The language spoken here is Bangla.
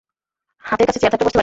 হাতের কাছে চেয়ার থাকলে বসতে পারেন।